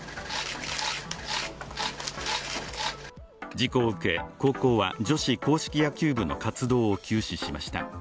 事故を受け、高校は女子硬式野球部の活動を休止しました。